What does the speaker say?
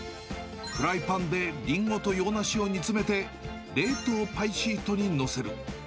フライパンでリンゴと洋梨を煮詰めて、冷凍パイシートに載せる。